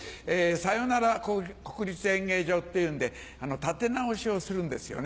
さよなら国立演芸場っていうんで建て直しをするんですよね。